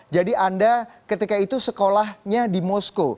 jadi anda ketika itu sekolahnya di moskow